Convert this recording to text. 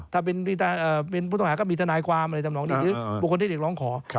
ถ้าเป็นผู้ต้องหาก็บินถนายความหรือบุคคลที่เด็กร้องขอ